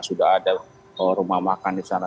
sudah ada rumah makan di sana